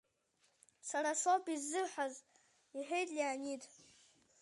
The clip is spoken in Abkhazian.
Сара соуп изыҳәаз, — иҳәеит Леонид.